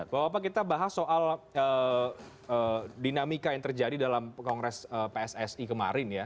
bapak bapak kita bahas soal dinamika yang terjadi dalam kongres pssi kemarin ya